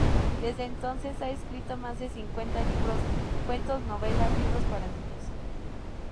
Desde entonces ha escrito más de cincuenta libros, cuentos, novelas, libros para niños.